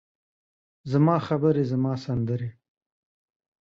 زما خبرې، زما سندرې،